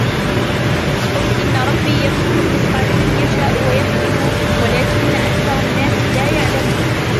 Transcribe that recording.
قُل إِنَّ رَبّي يَبسُطُ الرِّزقَ لِمَن يَشاءُ وَيَقدِرُ وَلكِنَّ أَكثَرَ النّاسِ لا يَعلَمونَ